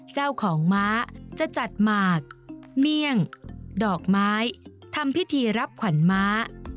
เจ้าของม้าจะจัดหมากเมี่ยงดอกไม้ทำพิธีรับขวัญม้า